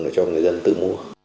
để cho người dân tự mua